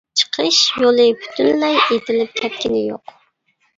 چىقىش يولى پۈتۈنلەي ئېتىلىپ كەتكىنى يوق.